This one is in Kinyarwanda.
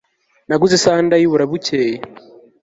naguze isaha ndayibura bukeye